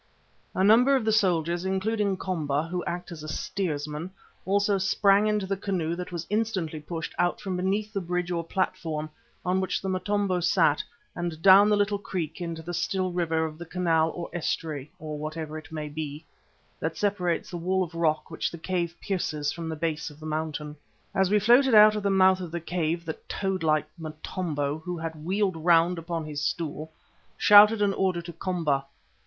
A number of the soldiers, including Komba, who acted as steersman, also sprang into the canoe that was instantly pushed out from beneath the bridge or platform on which the Motombo sat and down the little creek into the still water of the canal or estuary, or whatever it may be, that separates the wall of rock which the cave pierces from the base of the mountain. As we floated out of the mouth of the cave the toad like Motombo, who had wheeled round upon his stool, shouted an order to Komba.